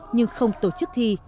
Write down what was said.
nhưng không tổ chức thi